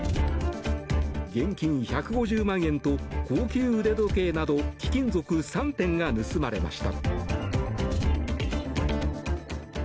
現金１５０万円と高級腕時計など貴金属３点が盗まれました。